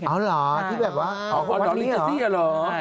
อ๋อเหรอที่แบบว่าวัดนี้หรอ